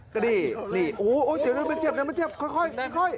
กระดิ่งนี่โอ้โฮเดี๋ยวมันเจ็บค่อย